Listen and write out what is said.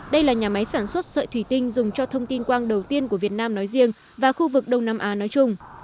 đây là nhà máy sản xuất sợi thủy tinh dùng cho thông tin quang đầu tiên của việt nam nói riêng và khu vực đông nam á nói chung